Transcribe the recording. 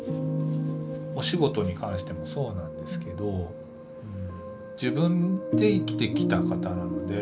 お仕事に関してもそうなんですけど自分で生きてきた方なので。